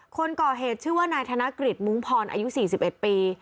คนก่อเหตุชื่อว่านายธนกฤษมุ้งพรอายุ๔๑ปี